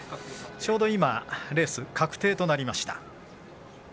ちょうど今レース確定となりました。